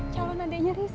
calon adiknya rizky